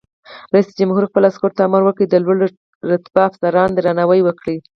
رئیس جمهور خپلو عسکرو ته امر وکړ؛ د لوړ رتبه افسرانو درناوی وکړئ!